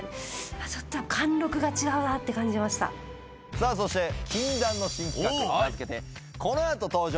さあそして禁断の新企画名付けて「このあと登場！